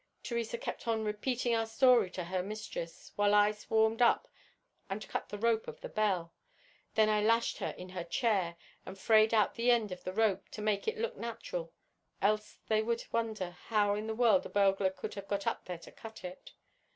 Theresa kept on repeating our story to her mistress, while I swarmed up and cut the rope of the bell. Then I lashed her in her chair, and frayed out the end of the rope to make it look natural, else they would wonder how in the world a burglar could have got up there to cut it.